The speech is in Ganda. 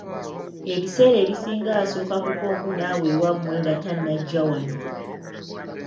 Ebiseera ebisinga asooka kukonkona awo ewammwe nga tanajja wano.